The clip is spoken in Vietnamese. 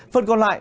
phần còn lại